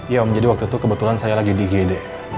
iya om jadi waktu itu kebetulan saya lagi di gede